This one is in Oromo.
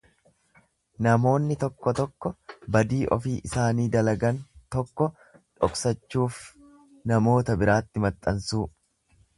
Namoonni tokko tokko badii ofii isaanii dalagan tokko dhoksachuuf namoota biraatti maxxansuu.